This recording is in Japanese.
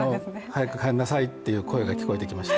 早く帰りなさいという声が聞こえてきました。